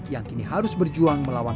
yang kini harus berjuang melawan